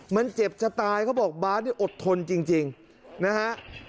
มันเจ็บจะตายเขาบอกบาสเนี่ยอดทนจริงนะฮะ